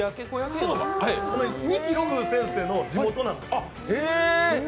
三木露風先生の地元なんです。